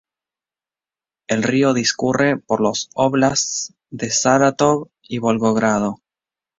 El río discurre por los "óblasts" de Sarátov y Volgogrado.